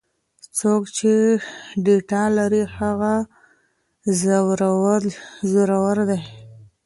څوک چې ډاټا لري هغه زورور دی.